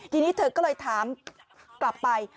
ทีนี้เธอก็เลยถามกลับไป